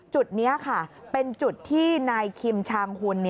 จุดนี้ค่ะเป็นจุดที่นายคิมชางหุ่น